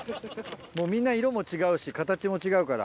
もうみんな色も違うし形も違うから。